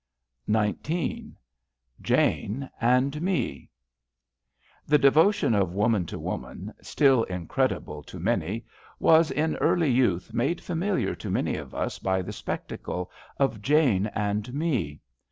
78 XIX JANE AND ME The devotion of woman to woman, still incredible to many, was in early youth made familiar to many of us by the spectacle of Jane and Me.